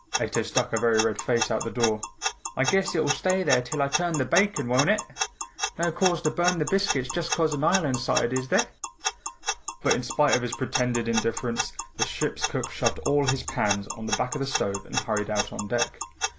Ato stuck a very red face out the door. "I guess it'll stay there till I turn the bacon, won't it? No cause to burn the biscuits just 'cause an island's sighted is there?" But in spite of his pretended indifference, the ship's cook shoved all his pans on the back of the stove and hurried out on deck.